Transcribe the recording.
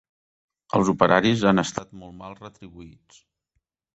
Els operaris han estat molt mal retribuïts.